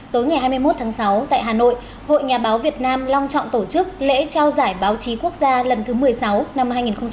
tối ngày hai mươi một tháng sáu tại hà nội hội nhà báo việt nam long trọng tổ chức lễ trao giải báo chí quốc gia lần thứ một mươi sáu năm hai nghìn hai mươi